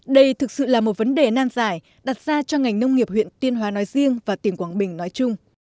đây thực sự là một vấn đề nan giải đặt ra cho ngành nông nghiệp huyện tuyên hóa nói riêng và tỉnh quảng bình nói chung